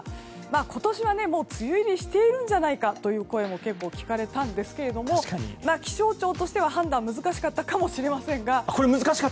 今年は梅雨入りしているんじゃないか？という声も結構、聞かれたんですが気象庁としては、判断が難しかったかもしれません。